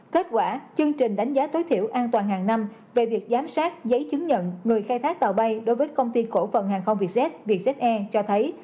kết quả chương trình đánh giá tối thiểu an toàn hàng năm về việc giám sát giấy chứng nhận người khai thác tàu bay đối với công ty cổ phần hàng không vietjet vietjet air cho thấy